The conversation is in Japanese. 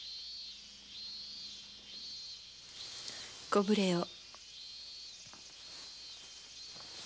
ご無礼を。